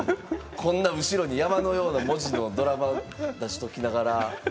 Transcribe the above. こんな後ろに山のような文字のドラマを出しておきながら。